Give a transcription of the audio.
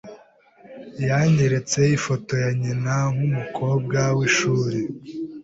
Yanyeretse ifoto ya nyina nkumukobwa wishuri.